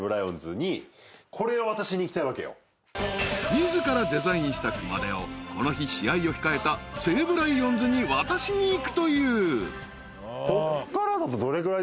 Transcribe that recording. ［自らデザインした熊手をこの日試合を控えた西武ライオンズに渡しに行くという］